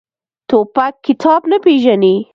توپک کتاب نه پېژني.